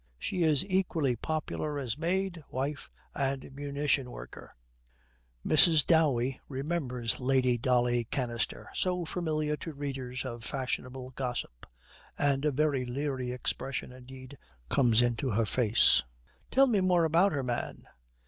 She is equally popular as maid, wife and munition worker.' Mrs. Dowey remembers Lady Dolly Kanister, so familiar to readers of fashionable gossip, and a very leery expression indeed comes into her face. 'Tell me more about her, man.'